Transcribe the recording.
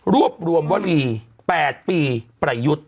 รวบรวมวลี๘ปีประยุทธ์